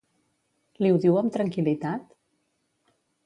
Li ho diu amb tranquil·litat?